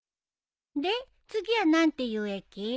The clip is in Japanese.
で次は何ていう駅？